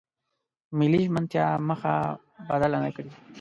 ملي ژمنتیا مخه بدله نکړي.